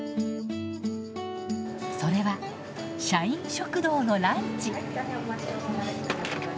それは社員食堂のランチ。